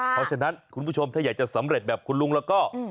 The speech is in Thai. เพราะฉะนั้นคุณผู้ชมถ้าอยากจะสำเร็จแบบคุณลุงแล้วก็